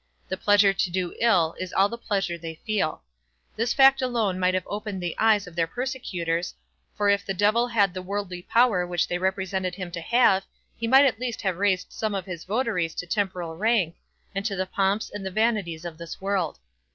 The pleasure to do ill, is all the pleasure they feel. This fact alone might have opened the eyes of their persecutors, for if the Devil had the worldly power which they represented him to have, he might at least have raised some of his votaries to temporal rank, and to the pomps and the vanities of this world.